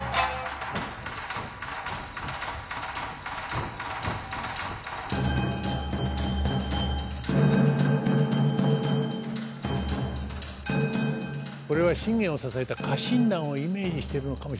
これは信玄を支えた家臣団をイメージしてるのかもしれませんね。